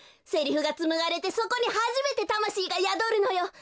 セリフがつむがれてそこにはじめてたましいがやどるのよ。